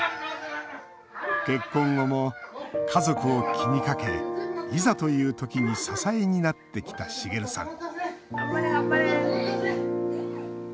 結婚後も家族を気にかけいざというときに支えになってきた滋さん